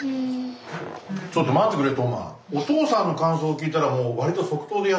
ちょっと待ってくれ橙真。